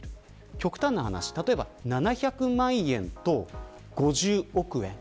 極端な話、７００万円と５０億円。